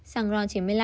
xăng ron chín mươi năm